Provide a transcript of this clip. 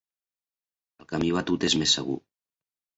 El camí batut és més segur.